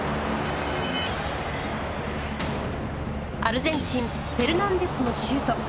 アルゼンチンフェルナンデスのシュート。